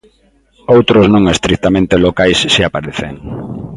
Outros non estritamente locais si aparecen.